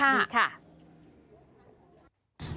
ใช่ค่ะ